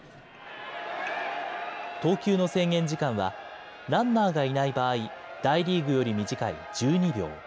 投球の制限時間は、ランナーがいない場合、大リーグより短い１２秒。